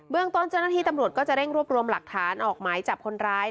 เรื่องต้นเจ้าหน้าที่ตำรวจก็จะเร่งรวบรวมหลักฐานออกหมายจับคนร้าย